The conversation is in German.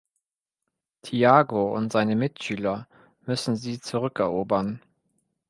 Tiago und seine Mitschüler müssen sie zurückerobern.